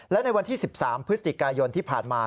และในวันที่๑๓พฤศจิกายนที่ผ่านมา